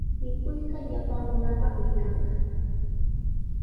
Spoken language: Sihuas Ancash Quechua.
Mikuyqa llapan runapaqmi kanqa.